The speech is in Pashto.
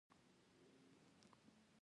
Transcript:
دردونه په دوه ډوله دي یو یوازې تاسو کړوي.